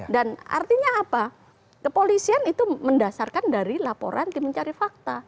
dan artinya apa kepolisian itu mendasarkan dari laporan timun cari fakta